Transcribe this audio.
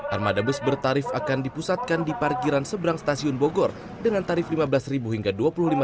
armada bus bertarif akan dipusatkan di parkiran seberang stasiun bogor dengan tarif lima belas hingga rp dua puluh lima